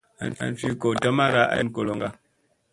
An fi goo tamara ay fun goloŋga.